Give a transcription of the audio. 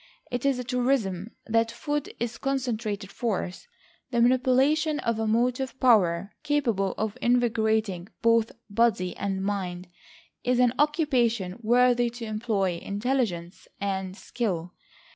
It is a truism that food is concentrated force. The manipulation of a motive power capable of invigorating both body and mind, is an occupation worthy to employ intelligence and skill.